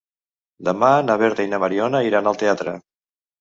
Demà na Berta i na Mariona iran al teatre.